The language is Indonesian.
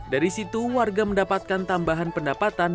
dari situ warga mendapatkan tambahan pendapatan